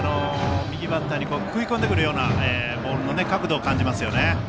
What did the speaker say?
右バッターに食い込んでくるようなボールの角度を感じますね。